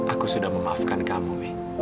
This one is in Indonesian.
aku sudah memaafkan kamu